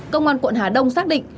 công an quận hà đông xác định